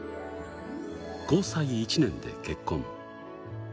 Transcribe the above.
交際１年で結婚。